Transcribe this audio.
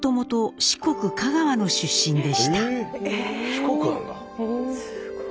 四国なんだ！